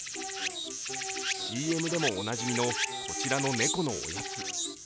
ＣＭでもおなじみのこちらの猫のおやつ。